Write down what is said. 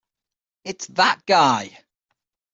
It's That Guy!